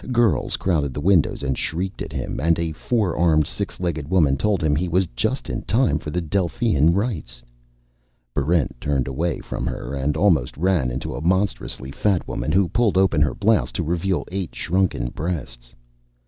Girls crowded the windows and shrieked at him, and a four armed, six legged woman told him he was just in time for the Delphian Rites. Barrent turned away from her and almost ran into a monstrously fat woman who pulled open her blouse to reveal eight shrunken breasts.